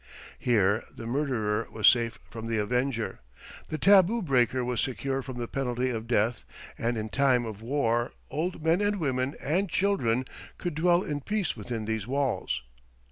Here the murderer was safe from the avenger, the tabu breaker was secure from the penalty of death, and in time of war, old men and women and children could dwell in peace within these walls.